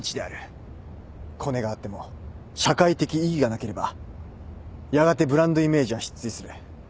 コネがあっても社会的意義がなければやがてブランドイメージは失墜する。